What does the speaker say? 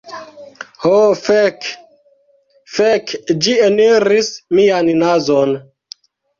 Ho fek. Fek, ĝi eniris mian nazon.